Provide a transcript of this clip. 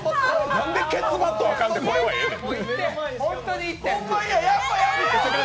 何でケツバットあかんくてこれ、ええねん。